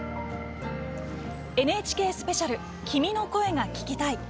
「ＮＨＫスペシャル君の声が聴きたい」。